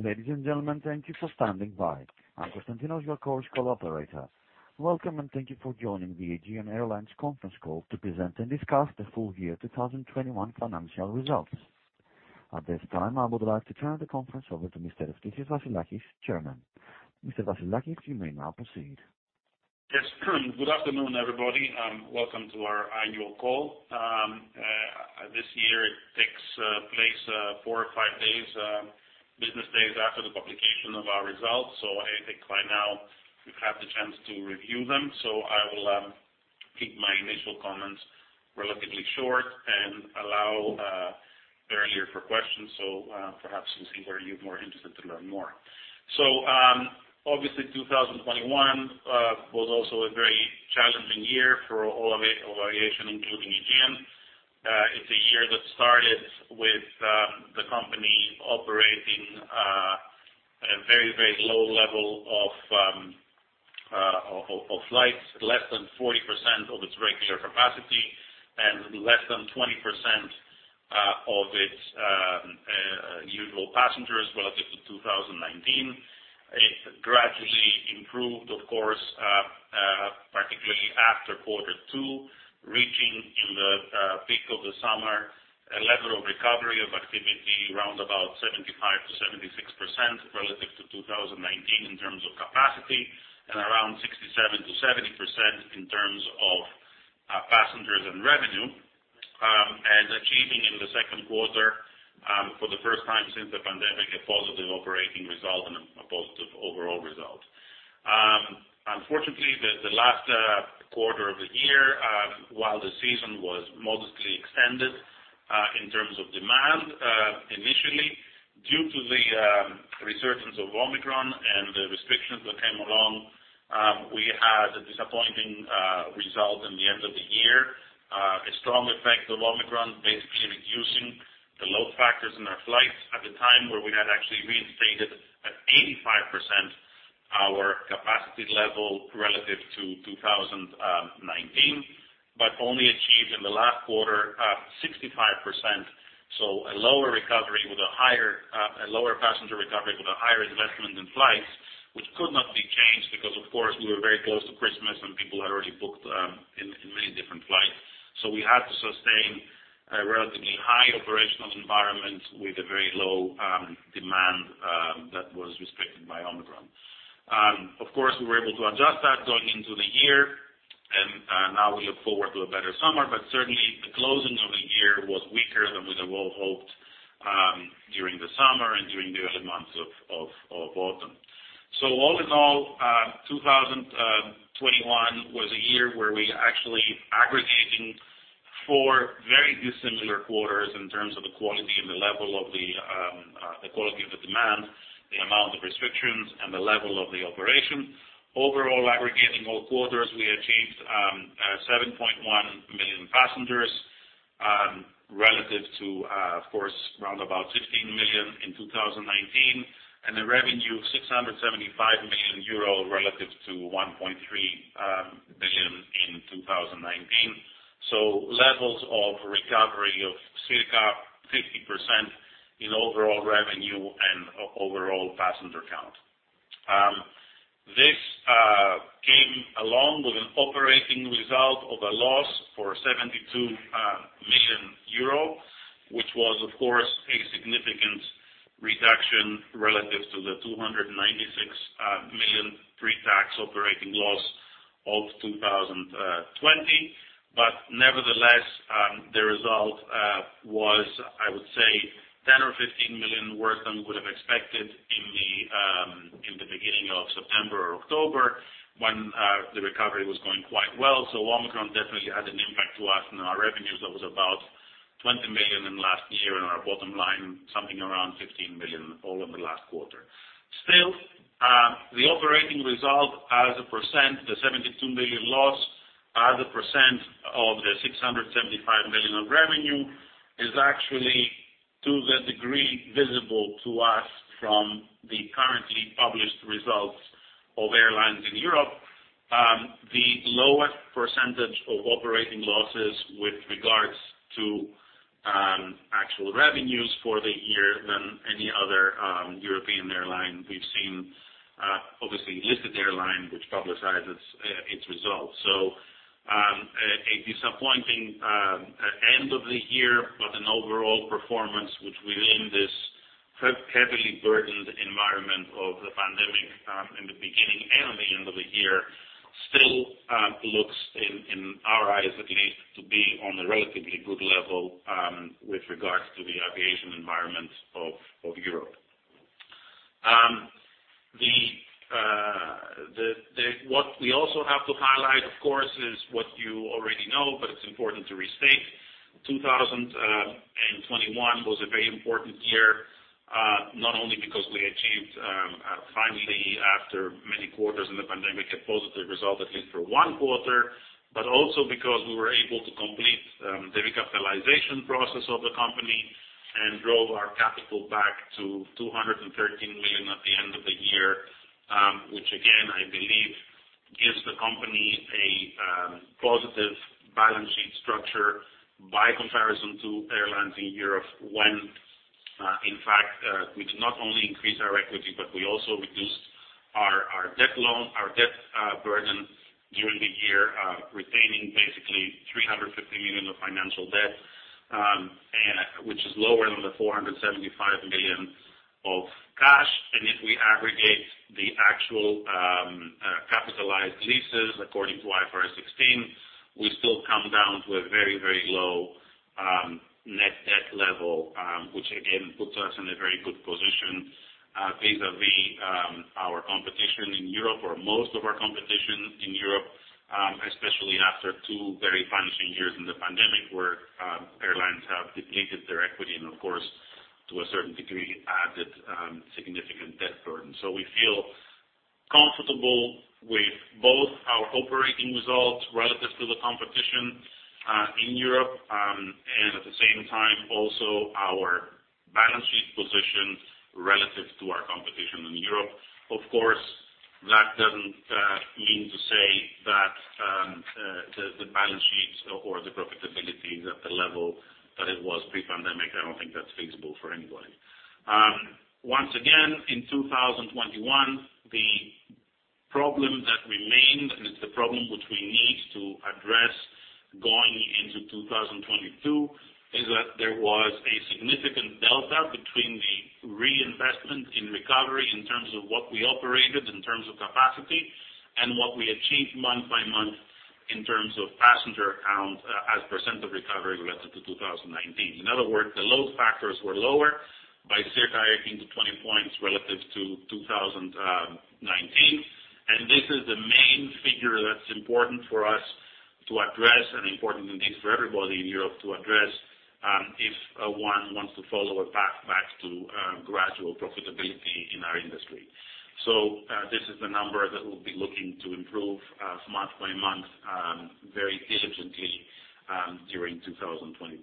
Ladies and gentlemen, thank you for standing by. I'm Konstantinos, your conference call operator. Welcome, and thank you for joining the Aegean Airlines conference call to present and discuss the full year 2021 financial results. At this time, I would like to turn the conference over to Mr. Eftichios Vassilakis, Chairman. Mr. Vassilakis, you may now proceed. Yes. Good afternoon, everybody, and welcome to our annual call. This year it takes place 4 or 5 business days after the publication of our results. I think by now you've had the chance to review them. I will keep my initial comments relatively short and allow earlier for questions, so perhaps we'll see where you're more interested to learn more. Obviously 2021 was also a very challenging year for all of aviation, including Aegean. It's a year that started with the company operating at a very low level of flights, less than 40% of its regular capacity and less than 20% of its usual passengers relative to 2019. It gradually improved, of course, particularly after quarter two, reaching in the peak of the summer a level of recovery of activity around about 75%-76% relative to 2019 in terms of capacity and around 67%-70% in terms of passengers and revenue. Achieving in the second quarter, for the first time since the pandemic, a positive operating result and a positive overall result. Unfortunately, the last quarter of the year, while the season was modestly extended, in terms of demand, initially, due to the resurgence of Omicron and the restrictions that came along, we had a disappointing result in the end of the year. The strong effect of Omicron basically reducing the load factors in our flights at the time where we had actually reinstated at 85% our capacity level relative to 2019, but only achieved in the last quarter 65%. A lower passenger recovery with a higher investment in flights, which could not be changed because, of course, we were very close to Christmas, and people had already booked in many different flights. We had to sustain a relatively high operational environment with a very low demand that was restricted by Omicron. Of course, we were able to adjust that going into the year and now we look forward to a better summer, but certainly the closing of the year was weaker than we had well hoped during the summer and during the early months of autumn. All in all, 2021 was a year where we actually aggregated four very dissimilar quarters in terms of the quality and the level of the quality of the demand, the amount of restrictions and the level of the operation. Overall aggregating all quarters, we achieved 7.1 million passengers relative to, of course, around about 15 million in 2019, and a revenue of 675 million euro relative to 1.3 billion in 2019. Levels of recovery of circa 50% in overall revenue and overall passenger count. This came along with an operating result of a loss of 72 million euro, which was of course a significant reduction relative to the 296 million pre-tax operating loss of 2020. Nevertheless, the result was, I would say 10 or 15 million worse than we would have expected in the beginning of September or October when the recovery was going quite well. Omicron definitely had an impact to us in our revenues. That was about 20 million in last year and our bottom line, something around 15 million all over last quarter. Still, the operating result as a %, the 72 million loss as a % of the 675 million of revenue is actually to the degree visible to us from the currently published results of airlines in Europe. The lowest % of operating losses with regards to actual revenues for the year than any other European airline we've seen, obviously listed airline which publicizes its results. A disappointing end of the year, but an overall performance which within this heavily burdened environment of the pandemic in the beginning and the end of the year still looks in our eyes at least to be on a relatively good level with regards to the aviation environment of Europe. What we also have to highlight, of course, is what you already know, but it's important to restate. 2021 was a very important year, not only because we achieved finally after many quarters in the pandemic, a positive result, at least for one quarter, but also because we were able to complete the recapitalization process of the company and drove our capital back to 213 million at the end of the year. Which again, I believe gives the company a positive balance sheet structure by comparison to airlines in Europe. When in fact, we did not only increase our equity, but we also reduced our debt burden during the year, retaining basically 350 million of financial debt, and which is lower than the 475 million of cash. If we aggregate the actual capitalized leases according to IFRS 16, we still come down to a very, very low net debt level, which again puts us in a very good position vis-à-vis our competition in Europe or most of our competition in Europe, especially after two very punishing years in the pandemic where airlines have depleted their equity and of course, to a certain degree, added significant debt burden. We feel comfortable with both our operating results relative to the competition in Europe and at the same time, also our balance sheet position relative to our competition in Europe. Of course, that doesn't mean to say that the balance sheets or the profitability is at the level that it was pre-pandemic. I don't think that's feasible for anybody. Once again, in 2021, the problem that remained, and it's the problem which we need to address going into 2022, is that there was a significant delta between the reinvestment in recovery in terms of what we operated in terms of capacity and what we achieved month by month in terms of passenger count, as percent of recovery relative to 2019. In other words, the load factors were lower by circa 18-20 points relative to 2019. This is the main figure that's important for us to address, and important, indeed, for everybody in Europe to address, if one wants to follow a path back to gradual profitability in our industry. This is the number that we'll be looking to improve month by month very diligently during 2022.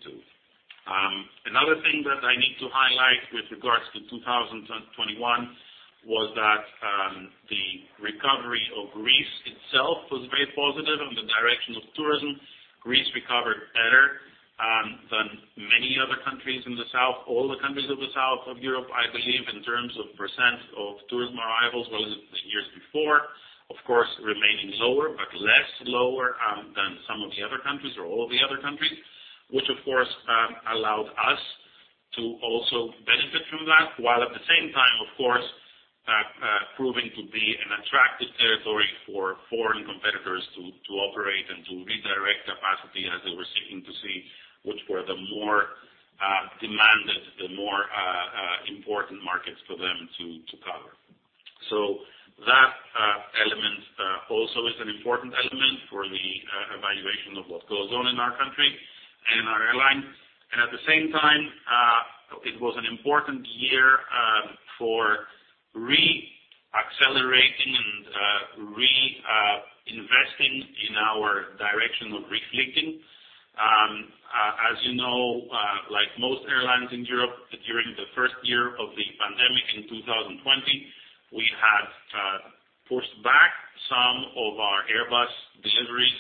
Another thing that I need to highlight with regards to 2021 was that the recovery of Greece itself was very positive in the direction of tourism. Greece recovered better than many other countries in the south, all the countries of the south of Europe, I believe, in terms of % of tourism arrivals relative to the years before. Of course, remaining lower, but less lower, than some of the other countries or all of the other countries, which of course, allowed us to also benefit from that, while at the same time, of course, proving to be an attractive territory for foreign competitors to operate and to redirect capacity as they were seeking to see which were the more demanded, the more important markets for them to cover. That element also is an important element for the evaluation of what goes on in our country and our airline. At the same time, it was an important year for re-accelerating and re-investing in our direction of refleeting. As you know, like most airlines in Europe, during the first year of the pandemic in 2020, we had pushed back some of our Airbus deliveries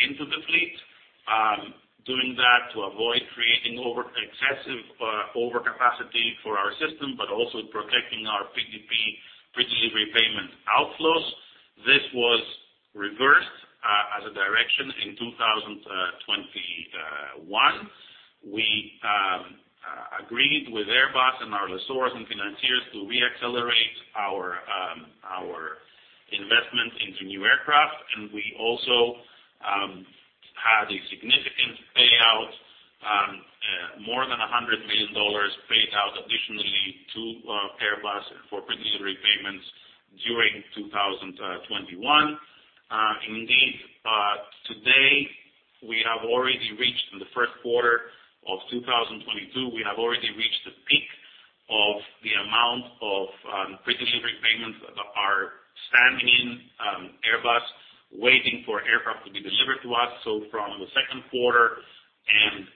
into the fleet. Doing that to avoid creating excessive overcapacity for our system, but also protecting our PDP, pre-delivery payment outflows. This was reversed as directed in 2021. We agreed with Airbus and our lessors and financiers to re-accelerate our investment into new aircraft. We also had a significant payout, more than $100 million paid out additionally to Airbus for pre-delivery payments during 2021. Indeed, today we have already reached in the first quarter of 2022 the peak of the amount of pre-delivery payments that are standing in Airbus waiting for aircraft to be delivered to us. From the second quarter and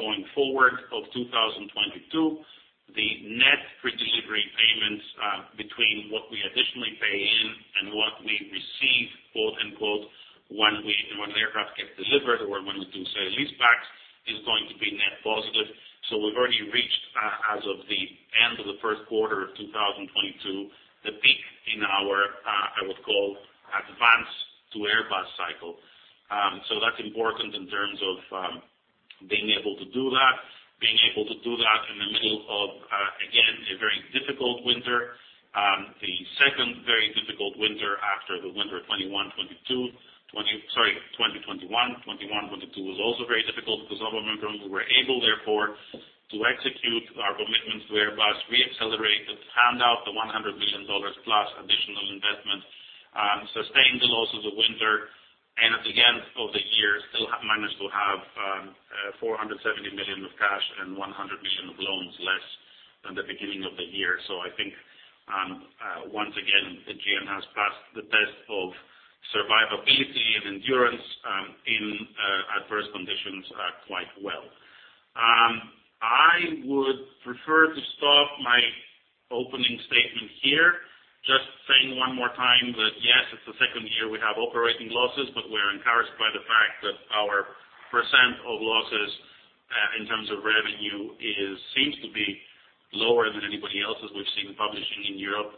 going forward of 2022, the net pre-delivery payments between what we additionally pay in and what we receive, quote-unquote, when the aircraft gets delivered or when we do sale and leasebacks is going to be net positive. We've already reached, as of the end of the first quarter of 2022, the peak in our I would call advance to Airbus cycle. That's important in terms of being able to do that in the middle of again a very difficult winter. The second very difficult winter after the winter of 2021, 2022. 2021-2022 was also very difficult because of Omicron. We were able, therefore, to execute our commitments to Airbus, re-accelerate the handout, the $100 million plus additional investment, sustain the loss of the winter, and at the end of the year, still managed to have 470 million of cash and 100 million of loans less than the beginning of the year. I think once again, Aegean has passed the test of survivability and endurance in adverse conditions quite well. I would prefer to stop my opening statement here. Just saying one more time that, yes, it's the second year we have operating losses, but we're encouraged by the fact that our percent of losses in terms of revenue seems to be lower than anybody else's we've seen publishing in Europe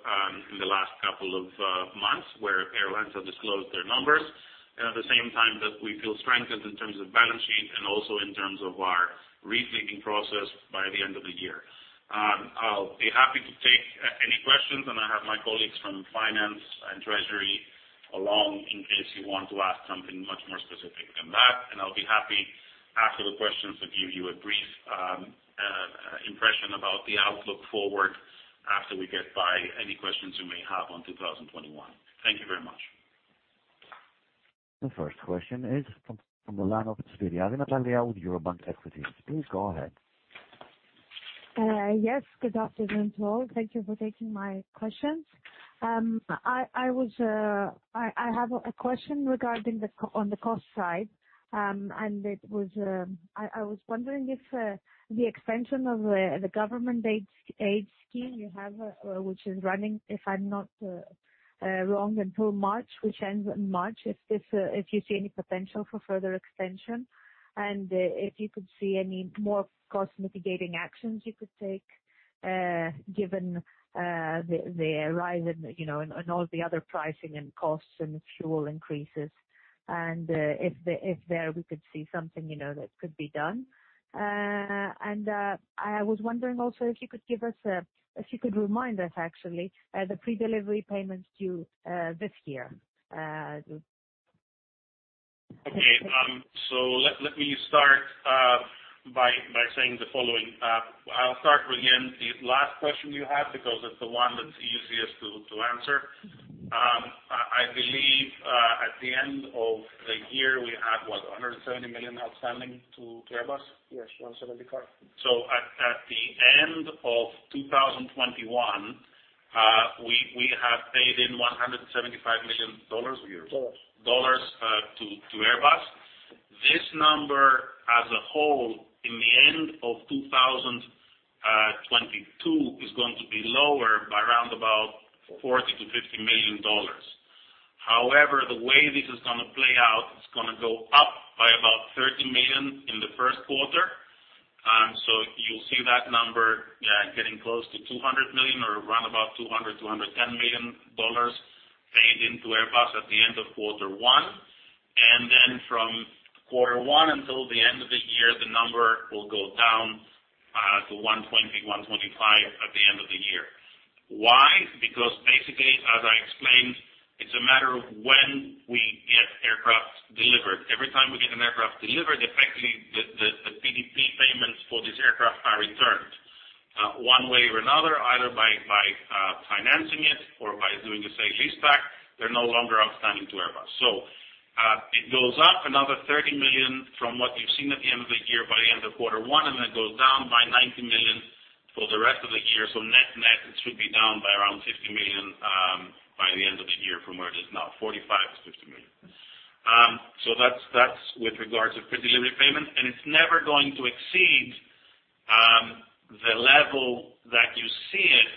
in the last couple of months where airlines have disclosed their numbers. At the same time that we feel strengthened in terms of balance sheet and also in terms of our rethinking process by the end of the year. I'll be happy to take any questions, and I have my colleagues from finance and treasury along in case you want to ask something much more specific than that. I'll be happy after the questions to give you a brief impression about the outlook forward after we get by any questions you may have on 2021. Thank you very much. The first question is from the line of Natalia with Eurobank Equities. Please go ahead. Yes. Good afternoon to all. Thank you for taking my questions. I have a question regarding the cost side. I was wondering if the extension of the government aid scheme you have, which is running until March, if I'm not wrong, which ends in March. If you see any potential for further extension. If you could see any more cost mitigating actions you could take, given the rise in, you know, in all the other pricing and costs and fuel increases. If we could see something, you know, that could be done. I was wondering also if you could give us a... If you could remind us, actually, the pre-delivery payments due this year. Okay. Let me start by saying the following. I'll start with again the last question you had, because it's the one that's easiest to answer. I believe at the end of the year, we had, what, 170 million outstanding to Airbus? Yes. 175. At the end of 2021, we have paid in $175 million. Euro. Dollars to Airbus. This number as a whole at the end of 2022 is going to be lower by around about $40-$50 million. However, the way this is gonna play out, it's gonna go up by about $30 million in the first quarter. So you'll see that number getting close to $200 million or around about $200-$210 million paid into Airbus at the end of quarter one. Then from quarter one until the end of the year, the number will go down to $120-$125 at the end of the year. Why? Because basically, as I explained, it's a matter of when we get aircraft delivered. Every time we get an aircraft delivered, effectively, the PDP payments for this aircraft are returned, one way or another, either by financing it or by doing a sale leaseback. They're no longer outstanding to Airbus. It goes up another 30 million from what you've seen at the end of the year by the end of quarter one, and then it goes down by 90 million for the rest of the year. Net-net, it should be down by around 50 million, by the end of the year from where it is now, 45 million-50 million. That's with regards to pre-delivery payment, and it's never going to exceed the level that you see it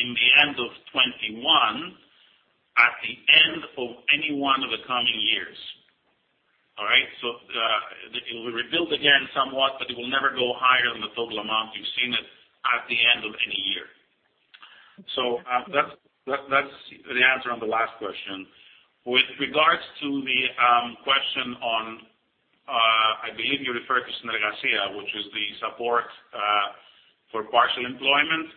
in the end of 2021 at the end of any one of the coming years. All right. It will rebuild again somewhat, but it will never go higher than the total amount you've seen it at the end of any year. That's the answer on the last question. With regards to the question on, I believe you referred to ERTE, which is the support for partial employment.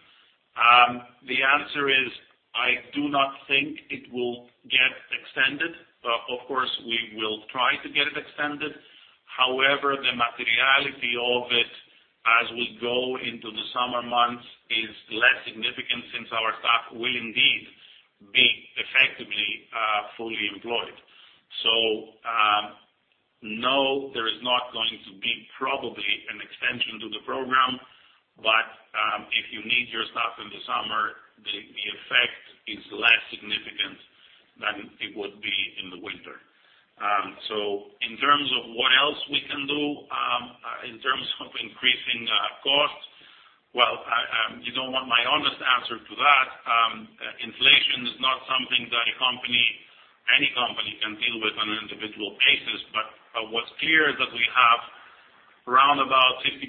The answer is I do not think it will get extended. Of course, we will try to get it extended. However, the materiality of it as we go into the summer months is less significant since our staff will indeed be effectively fully employed. No, there is not going to be probably an extension to the program. If you need your staff in the summer, the effect is less significant than it would be in the winter. In terms of what else we can do, in terms of increasing costs, well, you don't want my honest answer to that. Inflation is not something that a company, any company can deal with on an individual basis. What's clear is that we have around about 60%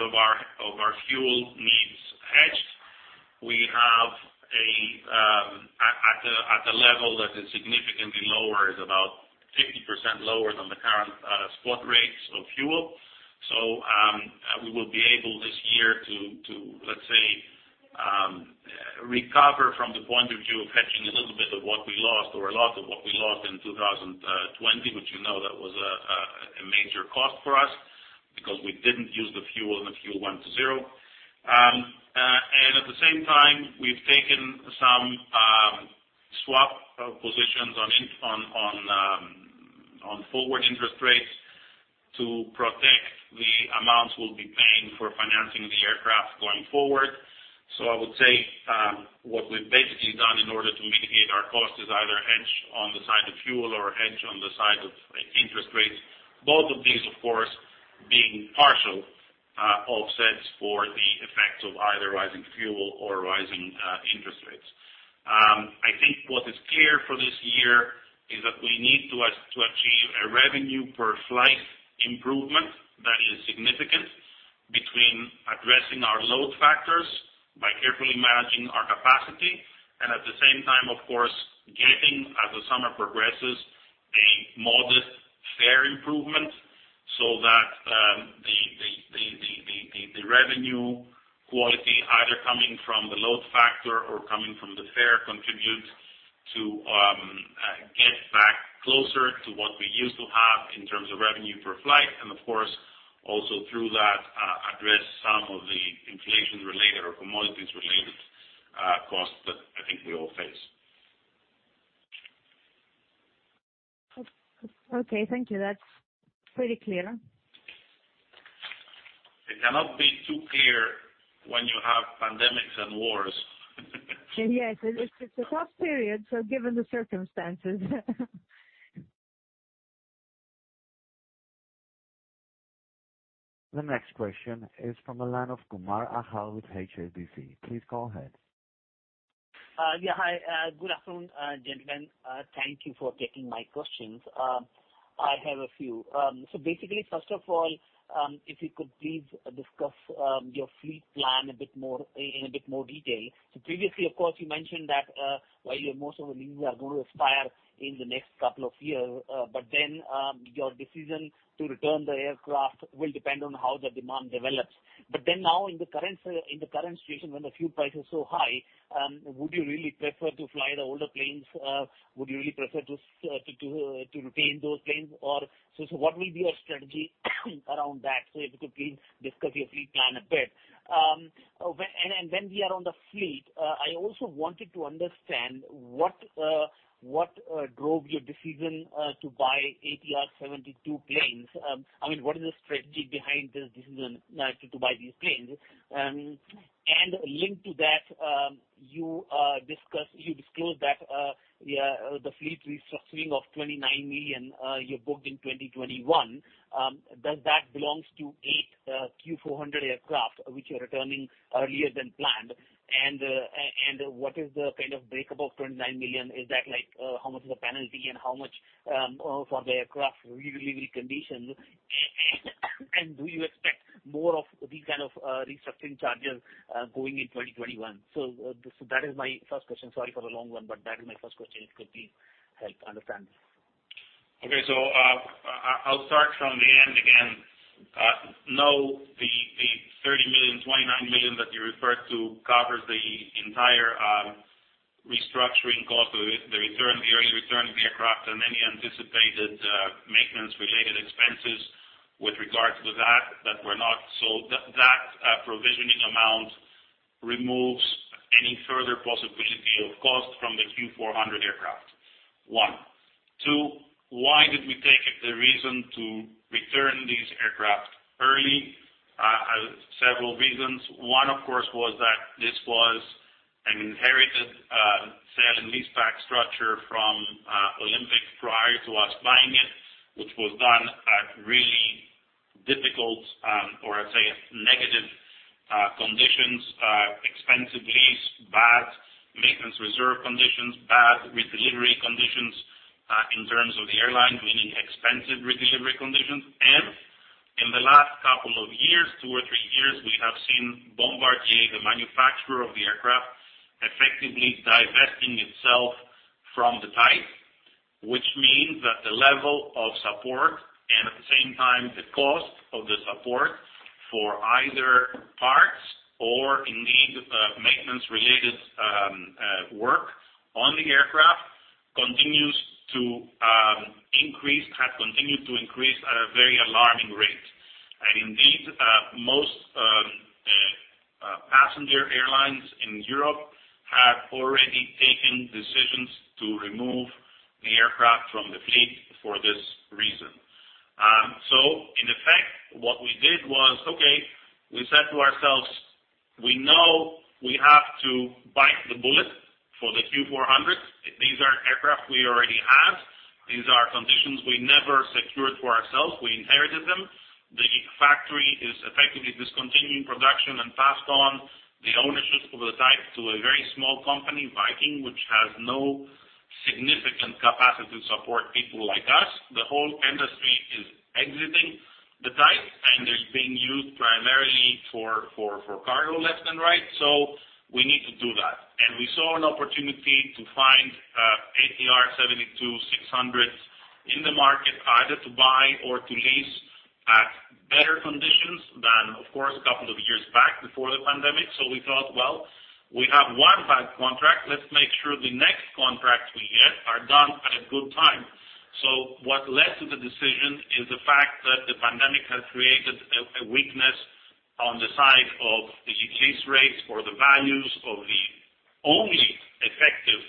of our fuel needs hedged. We have at a level that is significantly lower, about 50% lower than the current spot rates of fuel. We will be able this year to let's say recover from the point of view of hedging a little bit of what we lost or a lot of what we lost in 2020, which, you know, that was a major cost for us because we didn't use the fuel and the fuel went to zero. At the same time we've taken some swap positions on forward interest rates to protect the amounts we'll be paying for financing the aircraft going forward. I would say what we've basically done in order to mitigate our cost is either hedge on the side of fuel or hedge on the side of, like, interest rates. Both of these, of course, being partial offsets for the effects of either rising fuel or rising interest rates. I think what is clear for this year is that we need to achieve a revenue per flight improvement that is significant between addressing our load factors by carefully managing our capacity and at the same time, of course, getting, as the summer progresses, a modest fare improvement so that, the revenue quality, either coming from the load factor or coming from the fare contribute to get back closer to what we used to have in terms of revenue per flight and of course, also through that, address some of the inflation-related or commodities-related costs that I think we all face. Okay. Thank you. That's pretty clear. It cannot be too clear when you have pandemics and wars. Yes. It's a tough period, so given the circumstances. The next question is from the line of Achal Kumar with HSBC. Please go ahead. Hi. Good afternoon, gentlemen. Thank you for taking my questions. I have a few. Basically, first of all, if you could please discuss your fleet plan a bit more, in a bit more detail. Previously, of course, you mentioned that while most of your leases are gonna expire in the next couple of years, your decision to return the aircraft will depend on how the demand develops. Now in the current situation when the fuel price is so high, would you really prefer to fly the older planes? Would you really prefer to retain those planes? What will be your strategy around that? If you could please discuss your fleet plan a bit. When... When we are on the fleet, I also wanted to understand what drove your decision to buy ATR 72 planes. I mean, what is the strategy behind this decision to buy these planes? Linked to that, you disclosed that the fleet restructuring of 29 million you booked in 2021. Does that belong to 8 Q400 aircraft which are returning earlier than planned? What is the kind of breakdown of 29 million? Is that like how much is the penalty and how much for the aircraft redelivery conditions? Do you expect more of these kind of restructuring charges going in 2021? That is my first question. Sorry for the long one, but that is my first question. If you could please help understand. I'll start from the end again. No, the 30 million, 29 million that you referred to covers the entire restructuring cost of the return, the early return of the aircraft and any anticipated maintenance-related expenses with regard to that that were not. That provisioning amount removes any further possibility of cost from the Q400 aircraft. One. Two, why did we take it, the reason to return these aircraft early? Several reasons. One, of course, was that this was an inherited sale and leaseback structure from Olympic prior to us buying it, which was done at really difficult, or I'd say negative, conditions. Expensive lease, bad maintenance reserve conditions, bad redelivery conditions, in terms of the airline, meaning expensive redelivery conditions. In the last couple of years, two or three years, we have seen Bombardier, the manufacturer of the aircraft, effectively divesting itself from the type, which means that the level of support and at the same time the cost of the support for either parts or indeed maintenance-related work on the aircraft continues to increase, has continued to increase at a very alarming rate. Indeed, most passenger airlines in Europe have already taken decisions to remove the aircraft from the fleet for this reason. In effect, what we did was, okay, we said to ourselves, we know we have to bite the bullet for the Q400. These are aircraft we already have. These are conditions we never secured for ourselves. We inherited them. The factory is effectively discontinuing production and passed on the ownership of the type to a very small company, Viking, which has no significant capacity to support people like us. The whole industry is exiting the type, and it's being used primarily for cargo left and right. We need to do that. We saw an opportunity to find ATR 72-600s in the market, either to buy or to lease at better conditions than, of course, a couple of years back before the pandemic. We thought, well, we have one bad contract. Let's make sure the next contract we get are done at a good time. What led to the decision is the fact that the pandemic has created a weakness on the side of the lease rates for the only effective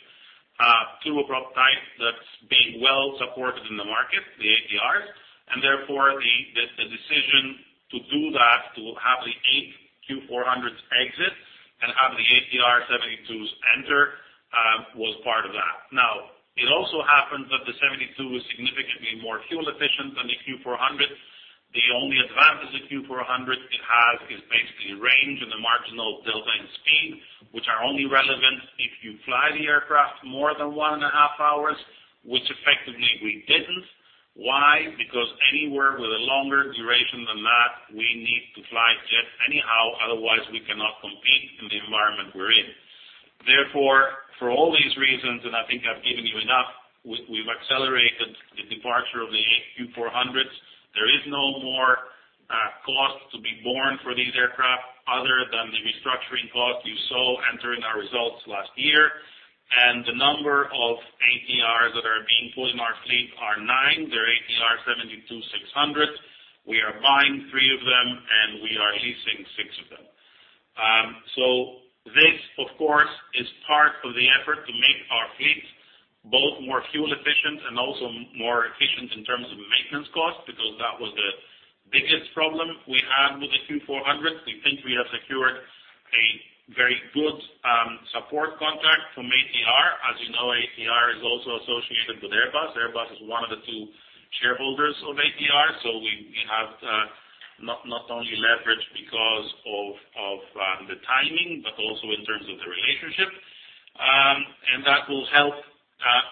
turboprop type that's being well supported in the market, the ATRs. And therefore, the decision to do that, to have the eight Q400s exit and have the ATR 72s enter, was part of that. Now, it also happens that the 72 is significantly more fuel efficient than the Q400. The only advantage the Q400 it has is basically range and the marginal delta in speed, which are only relevant if you fly the aircraft more than one and a half hours, which effectively we didn't. Why? Because anywhere with a longer duration than that, we need to fly jet anyhow, otherwise we cannot compete in the environment we're in. Therefore, for all these reasons, and I think I've given you enough, we've accelerated the departure of the 8 Q400s. There is no more cost to be borne for these aircraft other than the restructuring costs you saw entering our results last year. The number of ATRs that are being pulled in our fleet are 9. They're ATR 72-600s. We are buying 3 of them, and we are leasing 6 of them. This, of course, is part of the effort to make our fleet both more fuel efficient and also more efficient in terms of maintenance cost, because that was the biggest problem we had with the Q400. We think we have secured a very good support contract from ATR. As you know, ATR is also associated with Airbus. Airbus is one of the two shareholders of ATR. We have not only leverage because of the timing, but also in terms of the relationship. That will help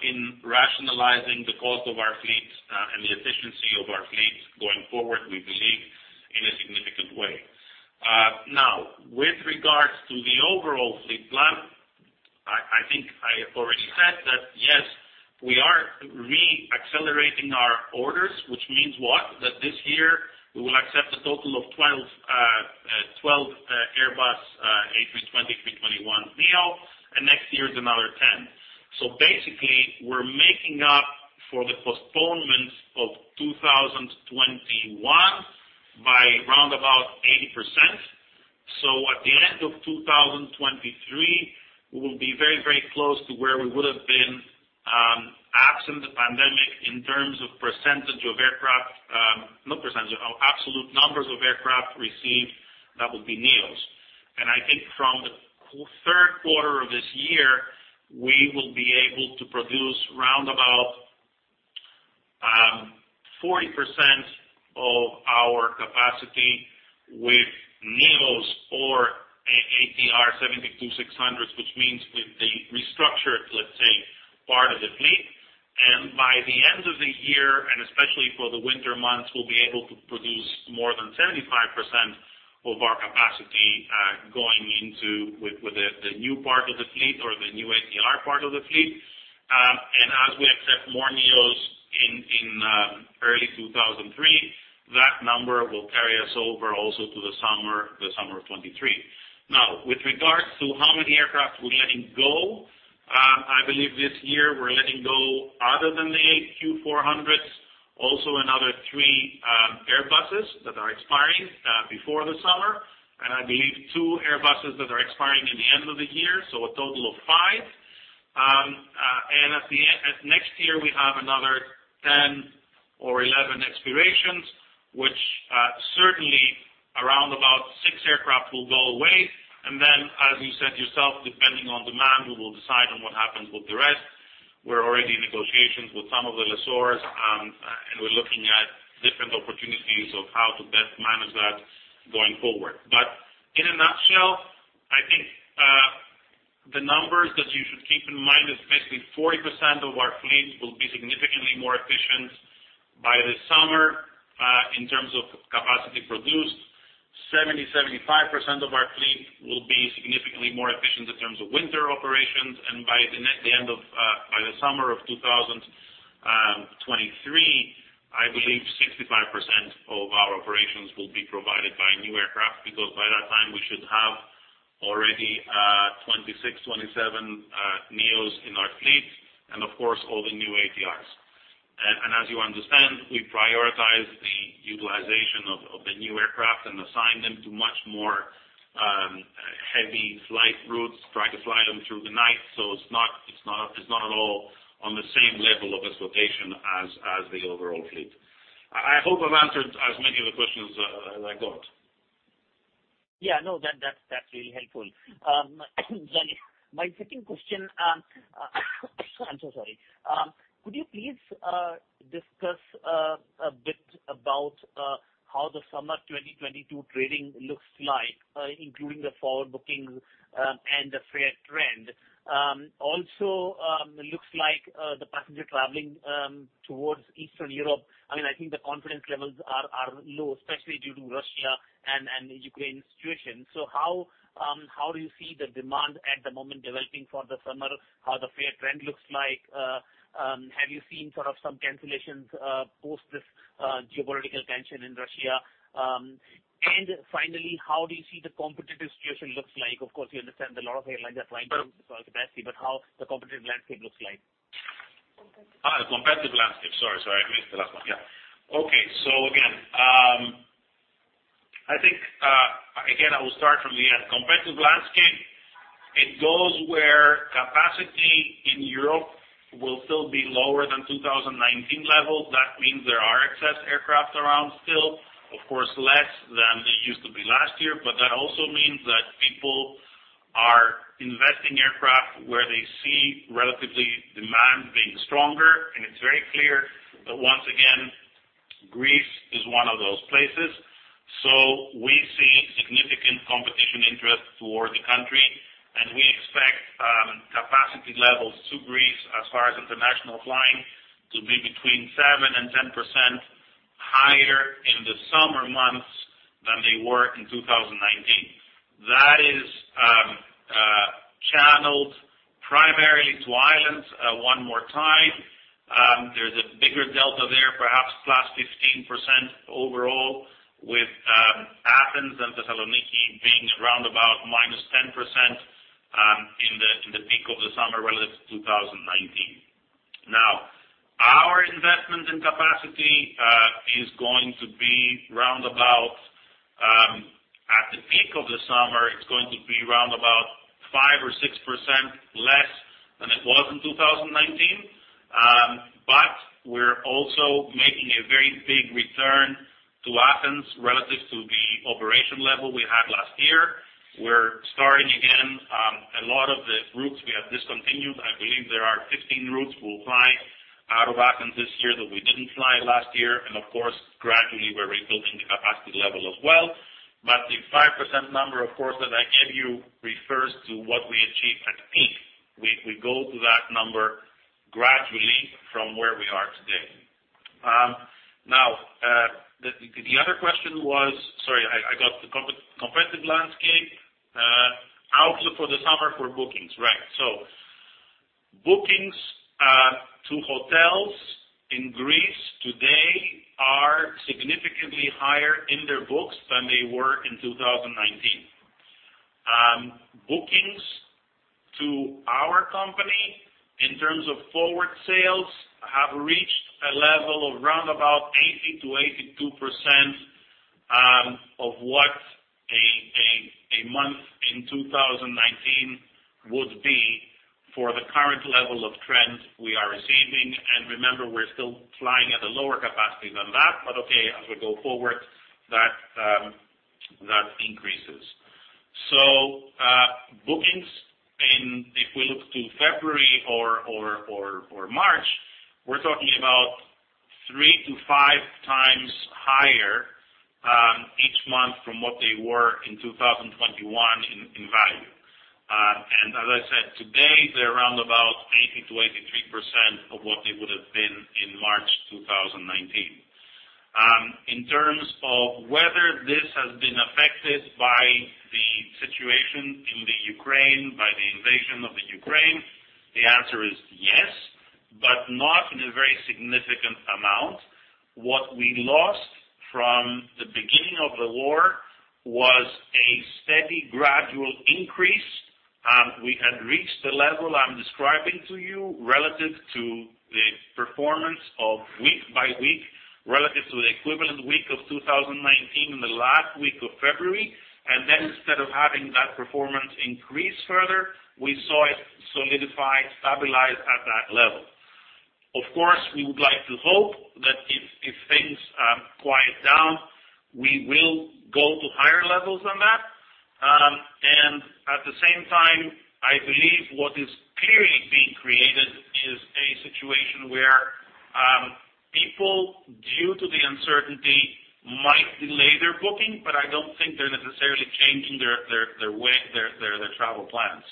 in rationalizing the cost of our fleet and the efficiency of our fleet going forward, we believe, in a significant way. Now, with regards to the overall fleet plan, I think I already said that yes, we are re-accelerating our orders, which means what? That this year we will accept a total of 12 Airbus A320, A321neo, and next year is another 10. Basically, we're making up for the postponements of 2021 by about 80%. At the end of 2023, we will be very, very close to where we would have been absent the pandemic in terms of percentage of aircraft, not percentage, absolute numbers of aircraft received that would be NEOs. I think from the third quarter of this year, we will be able to produce round about 40% of our capacity with NEOs or ATR 72-600s, which means with the restructured, let's say, part of the fleet. By the end of the year, and especially for the winter months, we'll be able to produce more than 75% of our capacity going into the new part of the fleet or the new ATR part of the fleet. As we accept more NEOs in early 2023, that number will carry us over also to the summer of 2023. Now, with regards to how many aircraft we're letting go, I believe this year we're letting go, other than the 8 Q400s, also another 3 Airbuses that are expiring before the summer. I believe 2 Airbuses that are expiring in the end of the year, so a total of 5. In next year, we have another 10 or 11 expirations, which certainly around about 6 aircraft will go away. Then, as you said yourself, depending on demand, we will decide on what happens with the rest. We're already in negotiations with some of the lessors, and we're looking at different opportunities of how to best manage that going forward. In a nutshell, I think the numbers that you should keep in mind is basically 40% of our fleet will be significantly more efficient by the summer, in terms of capacity produced. 75% of our fleet will be significantly more efficient in terms of winter operations. By the summer of 2023, I believe 65% of our operations will be provided by new aircraft because by that time we should have already 26, 27 NEOs in our fleet and of course all the new ATRs. As you understand, we prioritize the utilization of the new aircraft and assign them to much more heavy flight routes, try to fly them through the night. It's not at all on the same level of exploitation as the overall fleet. I hope I've answered as many of the questions as I could. Yeah, no, that's really helpful. Then my second question, I'm so sorry. Could you please discuss a bit about how the summer 2022 trading looks like, including the forward bookings, and the fare trend? Also, it looks like the passenger traveling towards Eastern Europe. I mean, I think the confidence levels are low, especially due to Russia and the Ukraine situation. How do you see the demand at the moment developing for the summer? How the fare trend looks like? Have you seen sort of some cancellations post this geopolitical tension in Russia? Finally, how do you see the competitive situation looks like? Of course, you understand a lot of airlines are flying through the capacity, but how the competitive landscape looks like. The competitive landscape. Sorry. I missed the last one. Okay. I think, again, I will start from the end. Competitive landscape, it goes without saying that capacity in Europe will still be lower than 2019 level. That means there are excess aircraft around still. Of course, less than they used to be last year. That also means that people are investing aircraft where they see relatively stronger demand being stronger. It's very clear that once again, Greece is one of those places. We see significant competitive interest toward the country, and we expect capacity levels to Greece as far as international flying to be between 7%-10% higher in the summer months than they were in 2019. That is channeled primarily to islands one more time. There's a bigger delta there, perhaps +15% overall, with Athens and Thessaloniki being around about -10% in the peak of the summer relative to 2019. Our investment in capacity is going to be round about at the peak of the summer, it's going to be round about 5% or 6% less than it was in 2019. But we're also making a very big return to Athens relative to the operation level we had last year. We're starting again a lot of the routes we have discontinued. I believe there are 15 routes we'll fly out of Athens this year that we didn't fly last year. Of course, gradually we're rebuilding the capacity level as well. The 5% number, of course, that I gave you refers to what we achieve at peak. We go to that number gradually from where we are today. The other question was... Sorry, I got the competitive landscape, outlook for the summer for bookings. Right. Bookings to hotels in Greece today are significantly higher in their books than they were in 2019. Bookings to our company in terms of forward sales have reached a level of about 80%-82% of what a month in 2019 would be for the current level of trends we are receiving. Remember, we're still flying at a lower capacity than that. Okay, as we go forward, that increases. Bookings in... If we look to February or March, we're talking about 3-5 times higher each month from what they were in 2021 in value. As I said today, they're around about 80%-83% of what they would have been in March 2019. In terms of whether this has been affected by the situation in Ukraine, by the invasion of Ukraine, the answer is yes, but not in a very significant amount. What we lost from the beginning of the war was a steady gradual increase. We had reached the level I'm describing to you relative to the performance of week by week, relative to the equivalent week of 2019 in the last week of February. Instead of having that performance increase further, we saw it solidify, stabilize at that level. Of course, we would like to hope that if things quiet down, we will go to higher levels than that. At the same time, I believe what is clearly being created is a situation where people, due to the uncertainty, might delay their booking, but I don't think they're necessarily changing their way, their travel plans.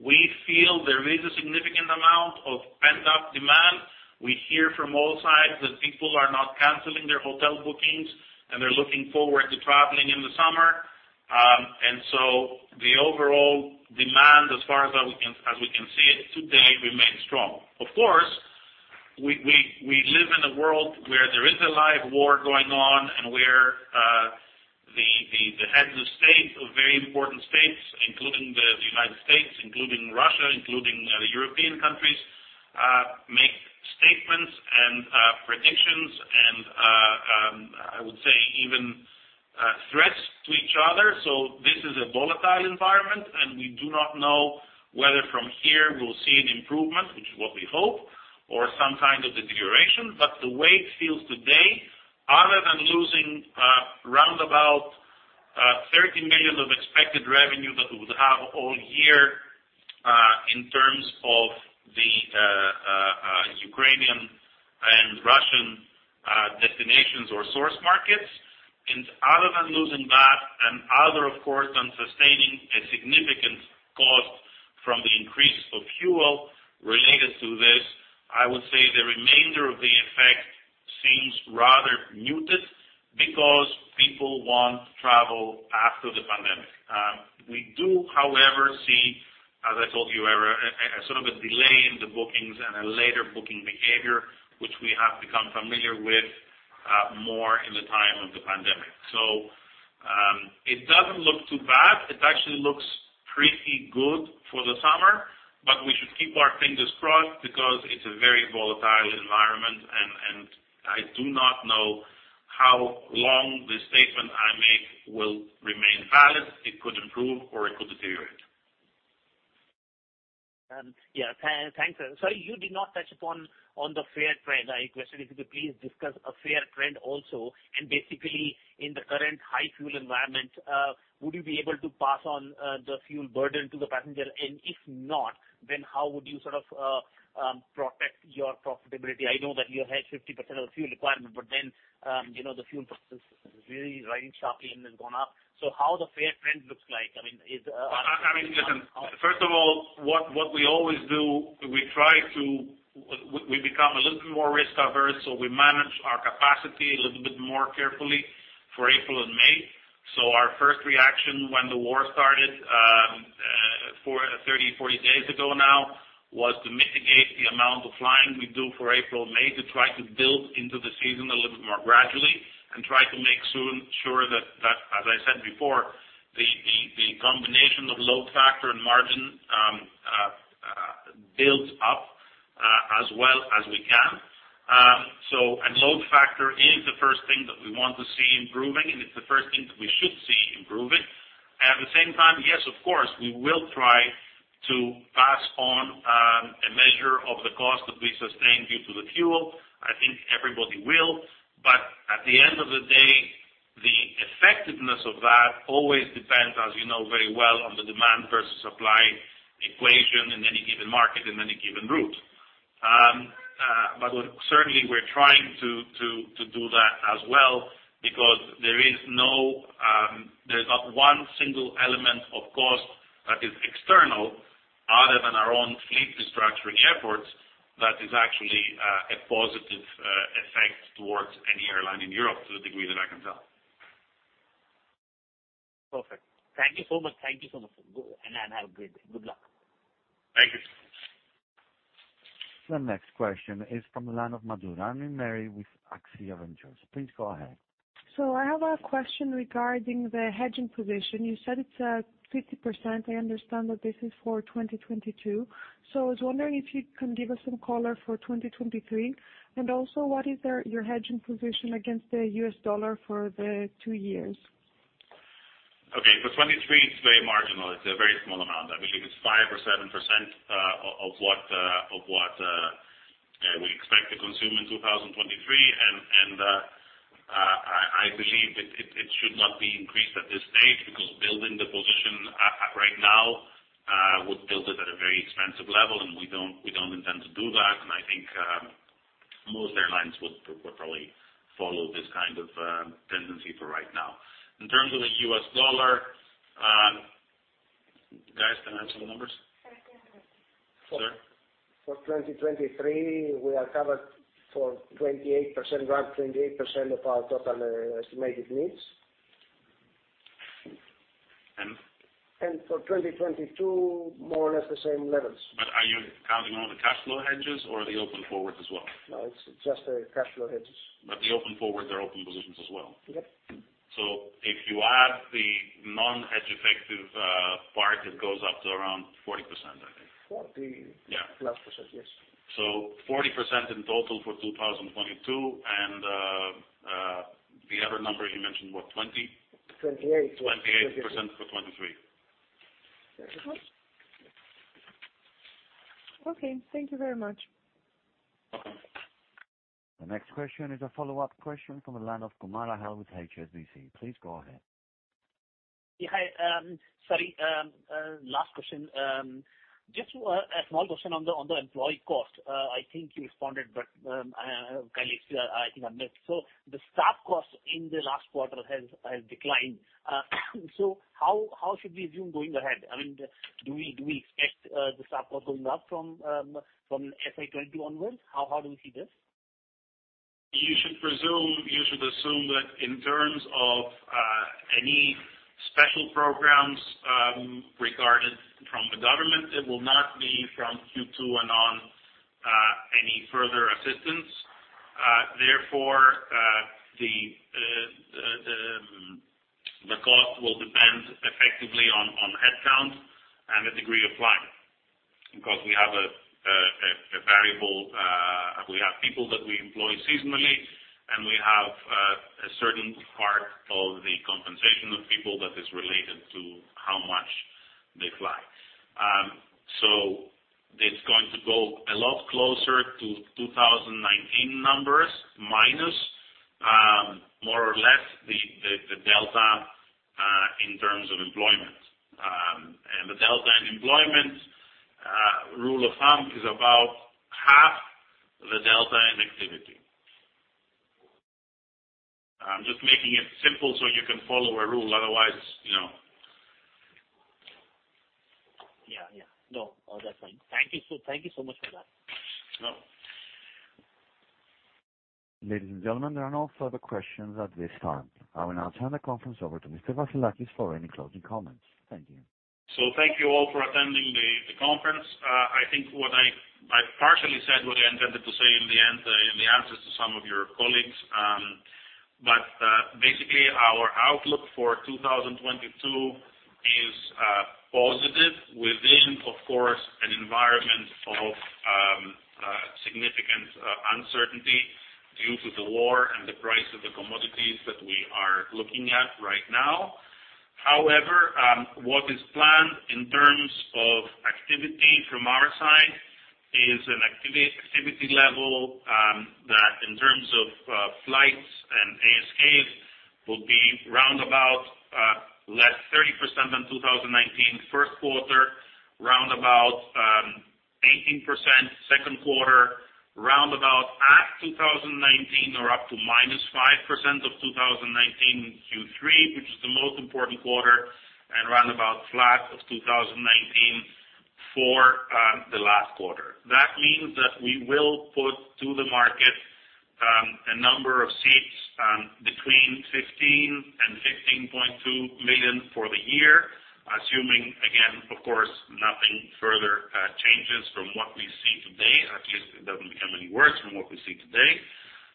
We feel there is a significant amount of pent-up demand. We hear from all sides that people are not canceling their hotel bookings, and they're looking forward to traveling in the summer. The overall demand, as far as we can see it today, remains strong. Of course, we live in a world where there is a live war going on and where the heads of state of very important states, including the United States, including Russia, including European countries, make statements and predictions and I would say even threats to each other. This is a volatile environment, and we do not know whether from here we'll see an improvement, which is what we hope, or some kind of deterioration. The way it feels today, other than losing around 30 million of expected revenue that we would have all year, in terms of the Ukrainian and Russian destinations or source markets. Other than losing that and other of course on sustaining a significant cost from the increase of fuel related to this, I would say the remainder of the effect seems rather muted because people want to travel after the pandemic. We do, however, see, as I told you, earlier, a sort of a delay in the bookings and a later booking behavior which we have become familiar with more in the time of the pandemic. It doesn't look too bad. It actually looks pretty good for the summer, but we should keep our fingers crossed because it's a very volatile environment and I do not know how long the statement I make will remain valid. It could improve or it could deteriorate. Yeah. Thanks. You did not touch upon the fare trend. I wonder if you could please discuss the fare trend also. Basically in the current high fuel environment, would you be able to pass on the fuel burden to the passenger and if not, then how would you sort of protect your profitability? I know that you hedge 50% of the fuel requirement, but then, you know, the fuel price is really rising sharply and has gone up. How the fare trend looks like, I mean, is I mean, listen. First of all, what we always do, we become a little bit more risk averse, so we manage our capacity a little bit more carefully for April and May. Our first reaction when the war started, 30, 40 days ago now, was to mitigate the amount of flying we do for April and May to try to build into the season a little bit more gradually and try to make sure soon that, as I said before, the combination of load factor and margin builds up as well as we can. Load factor is the first thing that we want to see improving, and it is the first thing that we should see improving. At the same time, yes, of course, we will try to pass on a measure of the cost that we sustain due to the fuel. I think everybody will. But at the end of the day, the effectiveness of that always depends, as you know very well, on the demand versus supply equation in any given market, in any given route. But certainly we're trying to do that as well because there's not one single element of cost that is external other than our own fleet restructuring efforts that is actually a positive effect toward any airline in Europe to the degree that I can tell. Perfect. Thank you so much. Have a great day. Good luck. Thank you. The next question is from the line of [Madura Mary] with Axiom Ventures. Please go ahead. I have a question regarding the hedging position. You said it's 50%. I understand that this is for 2022. I was wondering if you can give us some color for 2023 and also what is your hedging position against the US dollar for the two years. Okay. For 2023, it's very marginal. It's a very small amount. I believe it's 5% or 7% of what we expect to consume in 2023. I believe it should not be increased at this stage because building the position right now would build it at a very expensive level, and we don't intend to do that. I think most airlines would probably follow this kind of tendency for right now. In terms of the US dollar, guys, can I have some numbers? Sir. For 2023, we are covered for 28%, around 28% of our total estimated needs. And? For 2022, more or less the same levels. Are you counting all the cash flow hedges or the open forward as well? No, it's just the cash flow hedges. The open forwards are open positions as well. Yep. If you add the non-hedge effective part, it goes up to around 40%, I think. Forty. Yeah. Plus percent. Yes. 40% in total for 2022. The other number you mentioned, what? 20? Twenty-eight. 28% for 2023. Very good. Okay, thank you very much. The next question is a follow-up question from the line of Achal Kumar with HSBC. Please go ahead. Yeah. Hi, sorry, last question. Just a small question on the employee cost. I think you responded, but kindly still I think I missed. The staff costs in the last quarter has declined. How should we assume going ahead? I mean, do we expect the staff cost going up from FY 2021 onwards? How do we see this? You should assume that in terms of any special programs received from the government, it will not be from Q2 and on any further assistance. Therefore, the cost will depend effectively on headcount and the degree of flying. Because we have a variable, we have people that we employ seasonally, and we have a certain part of the compensation of people that is related to how much they fly. It's going to go a lot closer to 2019 numbers minus more or less the delta in terms of employment. The delta in employment rule of thumb is about half the delta in activity. I'm just making it simple so you can follow a rule. Otherwise, you know. Yeah. Yeah. No, all that's fine. Thank you so much for that. No. Ladies and gentlemen, there are no further questions at this time. I will now turn the conference over to Mr. Vassilakis for any closing comments. Thank you. Thank you all for attending the conference. I think what I partially said what I intended to say in the end in the answers to some of your colleagues. Basically our outlook for 2022 is positive within, of course, an environment of significant uncertainty due to the war and the price of the commodities that we are looking at right now. However, what is planned in terms of activity from our side is an activity level that in terms of flights and ASKs will be round about less 30% than 2019 first quarter, round about 18% second quarter, round about at 2019 or up to -5% of 2019 Q3, which is the most important quarter, and round about flat to 2019 for the last quarter. That means that we will put to the market a number of seats between 15 and 15.2 million for the year, assuming again, of course, nothing further changes from what we see today, at least it doesn't become any worse from what we see today.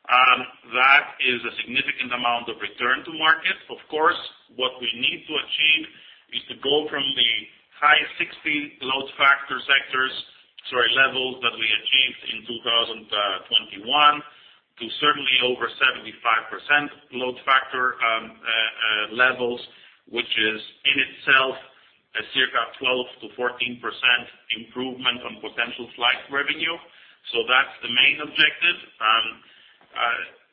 That is a significant amount of return to market. Of course, what we need to achieve is to go from the high 60 load factor levels that we achieved in 2021 to certainly over 75% load factor levels, which is in itself a circa 12%-14% improvement on potential flight revenue. That's the main objective.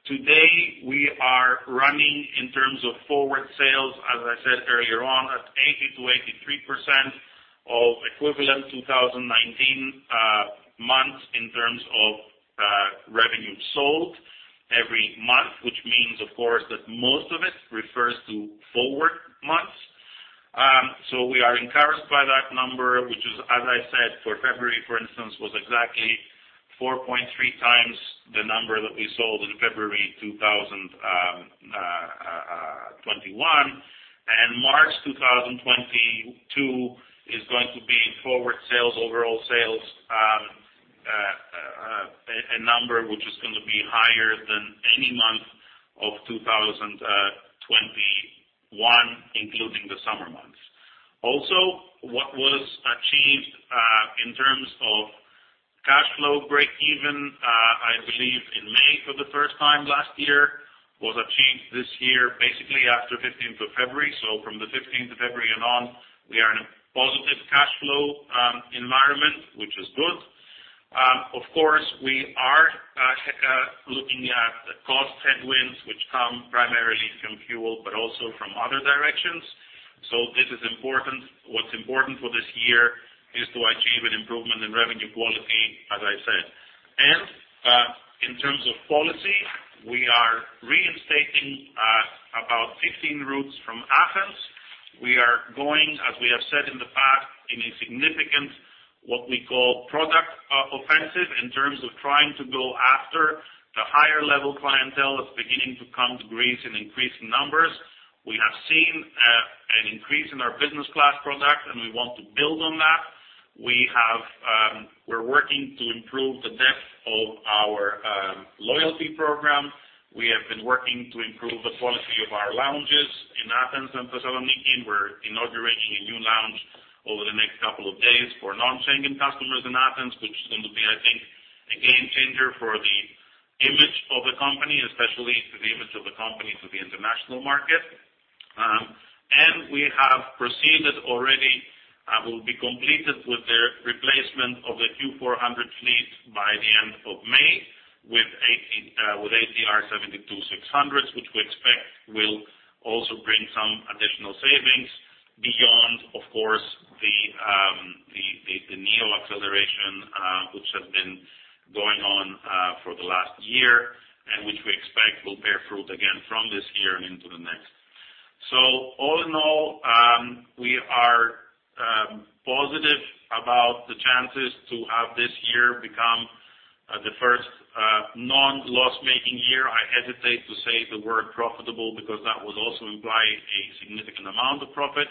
Today we are running in terms of forward sales, as I said earlier on, at 80%-83% of equivalent 2019 months in terms of revenue sold every month, which means of course that most of it refers to forward months. We are encouraged by that number, which is, as I said, for February, for instance, exactly 4.3 times the number that we sold in February 2021. March 2022 is going to be forward sales, overall sales, a number which is gonna be higher than any month of 2021, including the summer months. Also, what was achieved in terms of cash flow breakeven, I believe in May for the first time last year, was achieved this year, basically after the 15th of February. So from the 15th of February and on, we are in a positive cash flow environment, which is good. Of course, we are looking at the cost headwinds, which come primarily from fuel, but also from other directions. So this is important. What's important for this year is to achieve an improvement in revenue quality, as I said. In terms of policy, we are reinstating about 15 routes from Athens. We are going, as we have said in the past, in a significant, what we call product offensive in terms of trying to go after the higher level clientele that's beginning to come to Greece in increased numbers. We have seen an increase in our business class product, and we want to build on that. We're working to improve the depth of our loyalty program. We have been working to improve the quality of our lounges in Athens and Thessaloniki. We're inaugurating a new lounge over the next couple of days for non-Schengen customers in Athens, which is gonna be, I think, a game changer for the image of the company, especially for the image of the company to the international market. We have proceeded already will be completed with the replacement of the Q400 fleet by the end of May with ATR 72-600s, which we expect will also bring some additional savings beyond, of course, the neo-acceleration, which has been going on for the last year and which we expect will bear fruit again from this year and into the next. All in all, we are positive about the chances to have this year become the first non-loss making year. I hesitate to say the word profitable because that would also imply a significant amount of profit.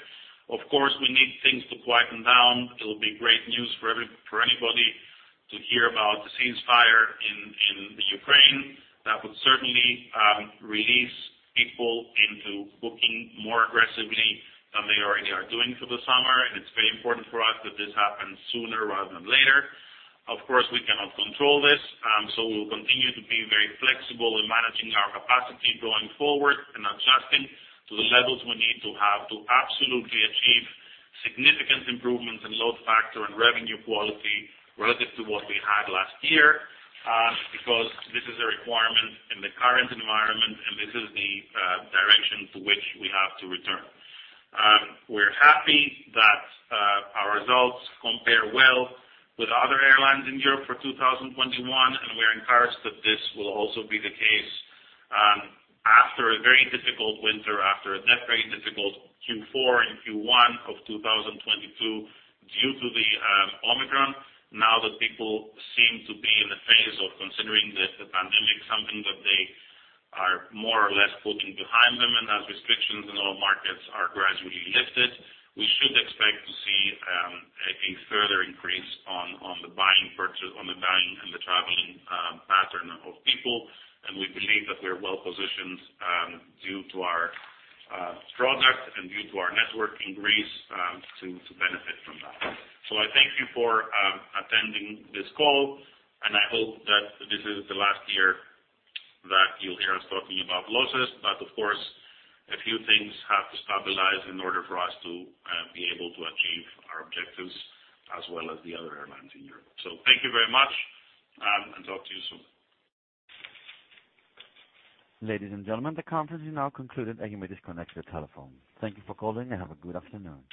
Of course, we need things to quieten down. It'll be great news for anybody to hear about the ceasefire in the Ukraine. That would certainly release people into booking more aggressively than they already are doing for the summer. It's very important for us that this happens sooner rather than later. Of course, we cannot control this. We'll continue to be very flexible in managing our capacity going forward and adjusting to the levels we need to have to absolutely achieve significant improvements in load factor and revenue quality relative to what we had last year, because this is a requirement in the current environment and this is the direction to which we have to return. We're happy that our results compare well with other airlines in Europe for 2021, and we're encouraged that this will also be the case after a very difficult winter, after a very difficult Q4 and Q1 of 2022 due to the Omicron. Now that people seem to be in the phase of considering the pandemic something that they are more or less putting behind them, and as restrictions in all markets are gradually lifted, we should expect to see a further increase in the buying and the traveling pattern of people. We believe that we're well-positioned due to our product and due to our network in Greece to benefit from that. I thank you for attending this call, and I hope that this is the last year that you'll hear us talking about losses. But of course, a few things have to stabilize in order for us to be able to achieve our objectives as well as the other airlines in Europe. Thank you very much, and talk to you soon. Ladies and gentlemen, the conference is now concluded, and you may disconnect your telephone. Thank you for calling, and have a good afternoon.